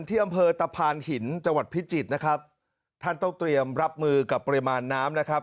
ที่อำเภอตะพานหินจังหวัดพิจิตรนะครับท่านต้องเตรียมรับมือกับปริมาณน้ำนะครับ